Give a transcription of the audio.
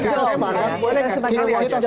kita sebagai wajah sekali